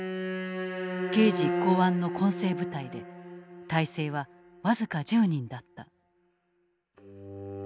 刑事・公安の混成部隊で体制はわずか１０人だった。